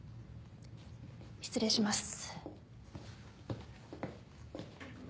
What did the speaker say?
失礼します。